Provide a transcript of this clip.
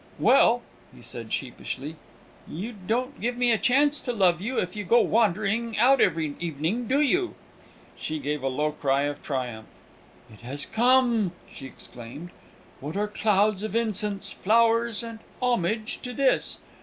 "Well," he said sheepishly, "you don't give me a chance to love you, if you go wandering out every evening, do you?" She gave a low cry of triumph. "It has come!" she exclaimed. "What are clouds of incense, flowers, and homage, to this?